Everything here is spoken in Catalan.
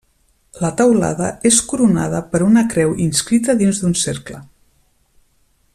La teulada és coronada per una creu inscrita dins d'un cercle.